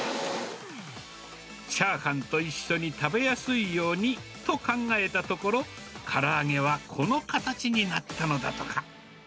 チャーハンと一緒に食べやすいようにと考えたところ、から揚げはこの形になったのだとか。